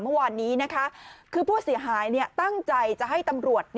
เมื่อวานนี้นะคะคือผู้เสียหายตั้งใจจะให้ตำรวจ